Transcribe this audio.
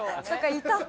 いた。